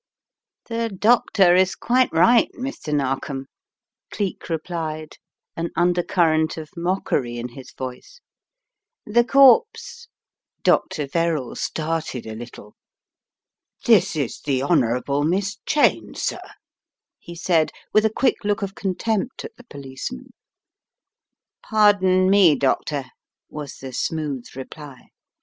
"The doctor is quite right, Mr. Narkom," Cleek replied, an undercurrent of mockery in his voice. "The corpse " Dr. Verrall started a little. "This is the Honourable Miss Cheyne, sir," he said with a quick look of contempt at the policeman. "Pardon me, Doctor," was the smooth reply.